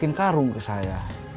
dia masukin karung ke saya